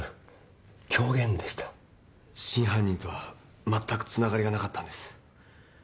真犯人とはまったく繋がりがなかったんです。